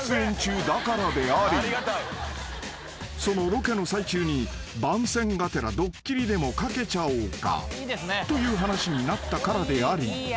［そのロケの最中に番宣がてらドッキリでもかけちゃおうかという話になったからであり］